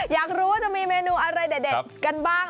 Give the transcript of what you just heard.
อยากรู้ว่าจะมีเมนูอะไรเด็ดกันบ้าง